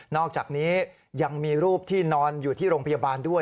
อกจากนี้ยังมีรูปที่นอนอยู่ที่โรงพยาบาลด้วย